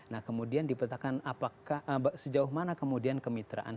nah kemudian dipetakan apakah sejauh mana kemudian kemitraan